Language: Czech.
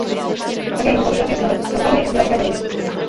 Také jeho fotografie staveb odhaluje jeho umělecké dovednosti.